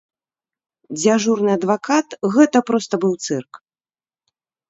Дзяжурны адвакат гэта проста быў цырк.